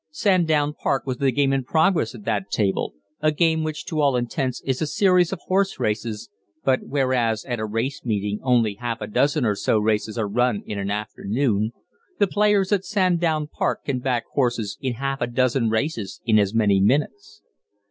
"Sandown Park" was the game in progress at that table, a game which to all intents is a series of horse races, but whereas at a race meeting only half a dozen or so races are run in an afternoon, the players at "Sandown Park" can back horses in half a dozen races in as many minutes.